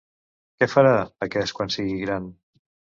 Què farà, aquest, quan sigui gran?